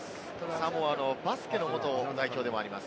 サモアのバスケの元代表でもあります。